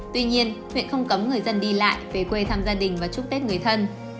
tuy nhiên huyện không cấm người dân đi lại về quê thăm gia đình và chúc tết người thân